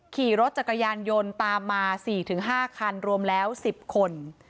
ขี่รถจักรยานยนต์ตามมาสี่ถึงห้าคันรวมแล้วสิบคน